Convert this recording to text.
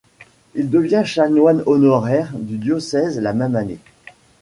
Il devient chanoine honoraire du diocèse la même année.